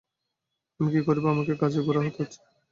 আমি কি করিব, আমাকে কাজেই গোঁড়া হতে হচ্ছে।